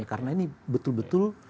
karena ini betul betul